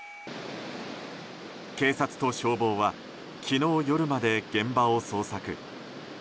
警察と消防は昨日夜まで現場を捜索。